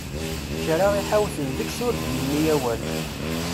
Kra i ḥawten deg-s ur d-yenni awal!